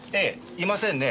いませんね多分。